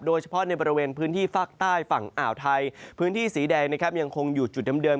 โดยเฉพาะในบริเวณพื้นที่ภาคใต้ฝั่งอ่าวไทยพื้นที่สีแดงนะครับยังคงอยู่จุดเดิม